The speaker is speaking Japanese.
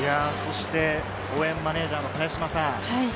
応援マネージャーの茅島さん。